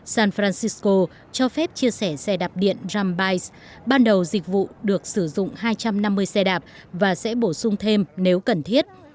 san francisco cho phép chia sẻ xe đạp điện rambais ban đầu dịch vụ được sử dụng hai trăm năm mươi xe đạp và sẽ bổ sung thêm nếu cần thiết